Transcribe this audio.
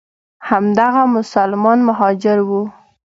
همدغه مسلمان مهاجر وو.